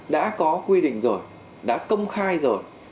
đã có quy định rồi đã công khai rồi